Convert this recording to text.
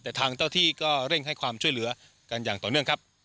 แต่ทางเจ้าที่ก็เร่งให้ความช่วยเหลือกันอย่างต่อเนื่องครับ